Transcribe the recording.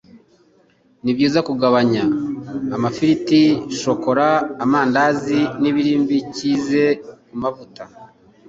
Nibyiza kugabanya amafiriti, shokola ,amamdazi n'ibiribikize kumavuta